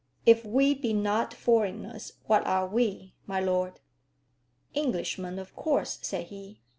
"If we be not foreigners, what are we, my lord?" "Englishmen, of course," said he.